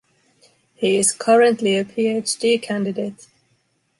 He is currently a PhD candidate.